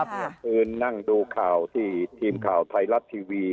เมื่อคืนนั่งดูข่าวที่ทีมข่าวไทยรัฐทีวี